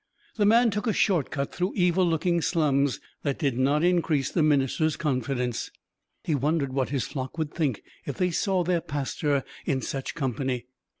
The man took a short cut through evil looking slums that did not increase the minister's confidence. He wondered what his flock would think if they saw their pastor in such company.